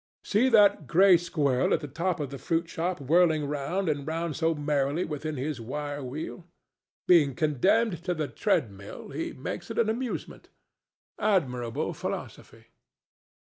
See that gray squirrel at the door of the fruit shop whirling round and round so merrily within his wire wheel! Being condemned to the treadmill, he makes it an amusement. Admirable philosophy!